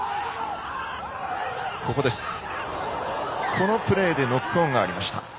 このプレーでノックオンがありました。